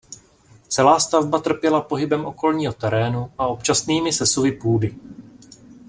Celá stavba trpěla pohybem okolního terénu a občasnými sesuvy půdy.